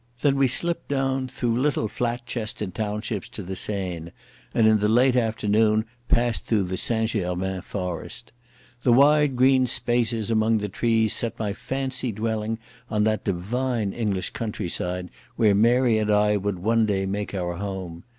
Then we slipped down through little flat chested townships to the Seine, and in the late afternoon passed through St Germains forest. The wide green spaces among the trees set my fancy dwelling on that divine English countryside where Mary and I would one day make our home.